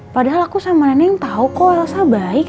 padahal aku sama nenek tau kok elsa baik